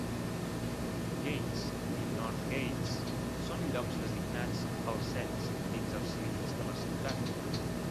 Gates i North Gates són llocs designats pel cens dins els límits de la ciutat.